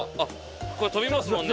これ飛びますもんね。